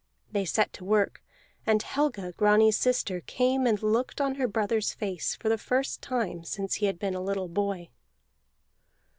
They set to work, and Helga Grani's sister came and looked on her brother's face for the first time since he had been a little boy.